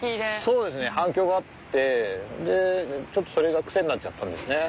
そうですね反響があってでちょっとそれが癖になっちゃったんですね。